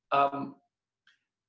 mereka tumbuh dalam hidup mereka